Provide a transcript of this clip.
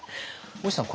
大石さん